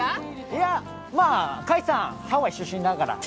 いや、カイさん、ハワイ出身だから。